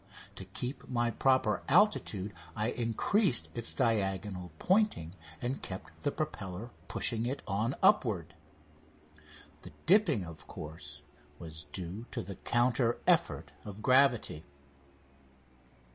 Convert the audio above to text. To keep my proper altitude I increased its diagonal pointing and kept the propeller pushing it on upward. The dipping, of course, was due to the counter effort of gravity.